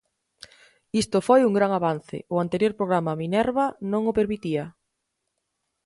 Isto foi un gran avance, o anterior programa Minerva non o permitía.